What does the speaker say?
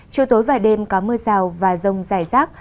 chiều tối và đêm có mưa rào và rông dài rác